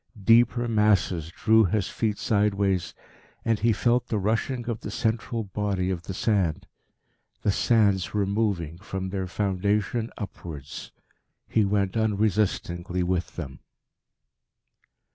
Deeper masses drew his feet sideways, and he felt the rushing of the central body of the sand. The sands were moving, from their foundation upwards. He went unresistingly with them.